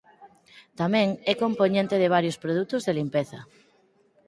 Tamén é compoñente de varios produtos de limpeza.